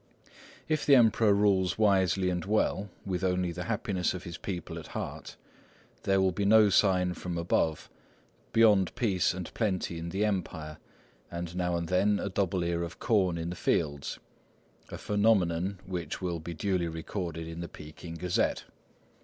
If the Emperor rules wisely and well, with only the happiness of his people at heart, there will be no sign from above, beyond peace and plenty in the Empire, and now and then a double ear of corn in the fields—a phenomenon which will be duly recorded in the Peking Gazette.